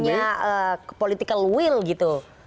punya political will gitu